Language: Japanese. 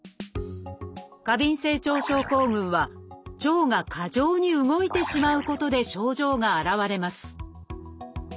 過敏性腸症候群は腸が過剰に動いてしまうことで症状が現れます。